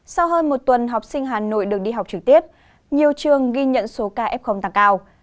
sau hơn một tuần học sinh hà nội được đi học trực tiếp nhiều trường ghi nhận số ca f tăng cao